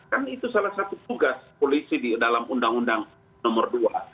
kan itu salah satu tugas polisi di dalam undang undang nomor dua